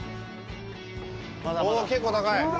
お、結構高い。